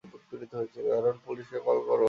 Harold, পুলিশকে call করো!